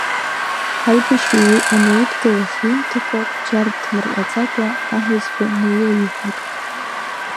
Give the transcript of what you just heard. Ҳаибашьҩы уи анаидгылаха имҭакәа, бџьар ҭмырҟьаӡакәа, аҳәызба наилиҳәеит…